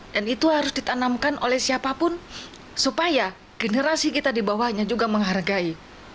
dan itu harus ditanamkan oleh siapapun supaya generasi kita di bawahnya juga menghargai